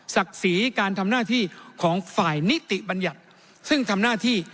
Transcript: ศักดิ์ศรีการทำหน้าที่ของฝ่ายนิติบัญญัติซึ่งทำหน้าที่